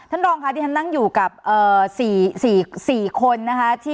ท่านรองค่ะที่ท่านนั่งอยู่กับ๔คน